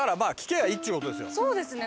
そうですね。